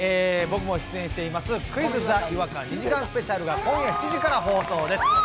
僕も出演しています「クイズ！ＴＨＥ違和感」２時間スペシャルが今夜７時から放送です。